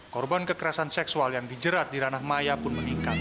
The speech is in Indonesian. korban kekerasan seksual yang dijerat di ranah maya pun meningkat